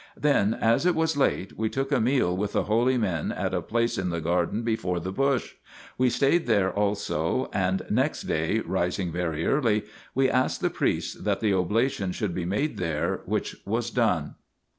Then, as it was late, we took a meal with the holy men at a place in the garden before the bush ; we stayed there also, and next day, rising very early, we asked the priests that the oblation should be made there, which was done.